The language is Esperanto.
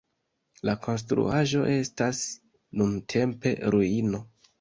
La konstruaĵo estas nuntempe ruino.